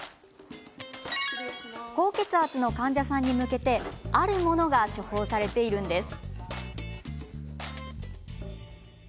高血圧の患者さんに向けてあるものが処方されているんです。